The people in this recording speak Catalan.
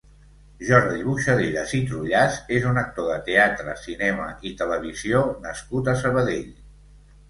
Jordi Boixaderas i Trullàs és un actor de teatre, cinema i televisió nascut a Sabadell.